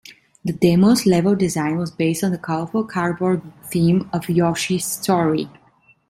The demo's level design was based on the colorful cardboard theme of "Yoshi's Story".